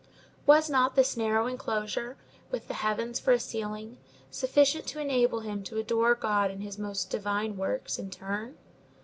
Was not this narrow enclosure, with the heavens for a ceiling, sufficient to enable him to adore God in his most divine works, in turn?